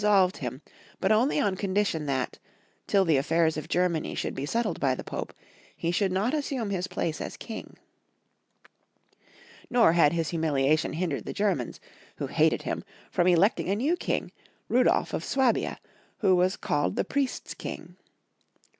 solved him, but only on condition that, till the affairs of Germany should be settled by the Pope, ' he should not assume his place as King. Nor had his humiliation hindered the Germans, who hated him, from electing a new king, Rudolf of Swabia, who was called the Priests' King.